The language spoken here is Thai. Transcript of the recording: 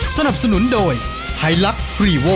สนับสนุนโดยไฮลักษ์รีโว